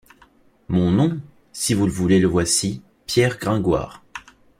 Mon nom? si vous le voulez, le voici: Pierre Gringoire.